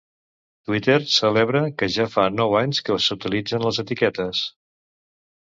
Twitter celebra que ja fa nou anys que s'utilitzen les etiquetes.